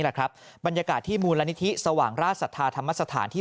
แหละครับบรรยากาศที่มูลนิธิสว่างราชศรัทธาธรรมสถานที่